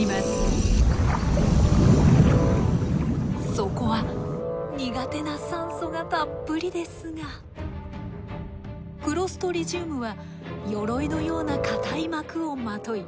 そこは苦手な酸素がたっぷりですがクロストリジウムはよろいのような硬い膜をまとい